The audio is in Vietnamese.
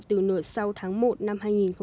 từ nửa sau tháng một năm hai nghìn hai mươi